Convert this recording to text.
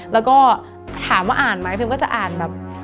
แล้วก็ถามว่าอ่านไหมพิมก็จะอ่านแบบ